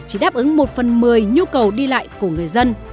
chỉ đáp ứng một phần mười nhu cầu đi lại của người dân